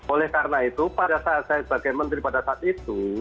oleh karena itu pada saat saya sebagai menteri pada saat itu